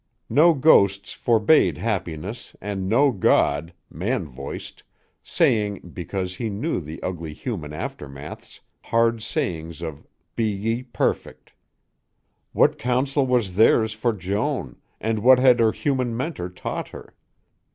No ghosts forbade happiness and no God man voiced saying, because he knew the ugly human aftermaths, hard sayings of "Be ye perfect." What counsel was theirs for Joan and what had her human mentor taught her?